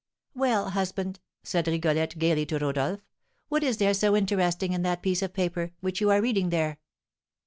"Well, husband," said Rigolette, gaily, to Rodolph, "what is there so interesting in that piece of paper, which you are reading there?"